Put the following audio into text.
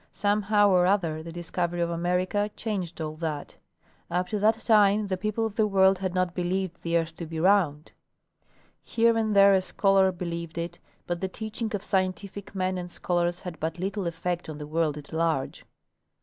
Somehow or other the discovery of America changed all that. Up to that time the people of the world had not believed the earth to be round. Here and there a scholar believed it, but the teachings of scientific men and scholars had but little effect on the world at large.